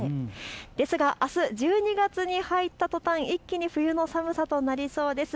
ですが、あす１２月に入ったとたん、一気に冬の寒さとなりそうです。